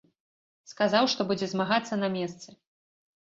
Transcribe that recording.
Сказаў, што будзе змагацца на месцы.